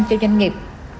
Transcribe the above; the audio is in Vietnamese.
cho doanh nghiệp